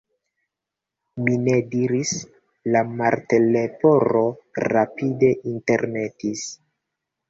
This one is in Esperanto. "Mi ne diris," la Martleporo rapide intermetis.